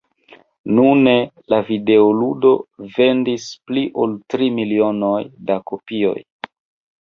Nune la videoludo vendis pli ol tri milionoj da kopioj.